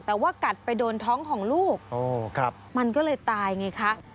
แต่ว่ากัดไปโดนท้องของลูกมันก็เลยตายไงคะ